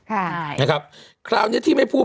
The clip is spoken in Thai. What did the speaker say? เอาไว้ก่อนคราวนี้ที่ไม่พูด